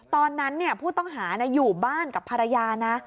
ตอนนั้นผู้ต้องหาอยู่บ้านกับภรรยานะ